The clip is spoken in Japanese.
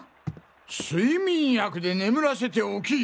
睡眠薬で眠らせておき